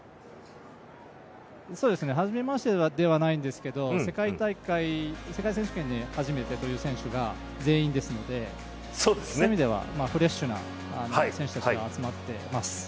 はじめましてではないんですけど、世界選手権で初めてという選手が全員ですので、そういう意味ではフレッシュな選手たちが集まっています。